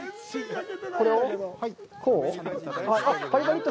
これをこう？